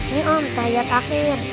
nih om tayat akhir